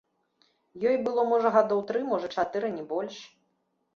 Ёй было можа гадоў тры, можа чатыры, не больш.